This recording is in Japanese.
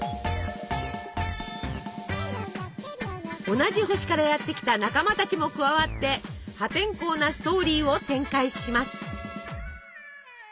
同じ星からやって来た仲間たちも加わって破天荒なストーリーを展開します。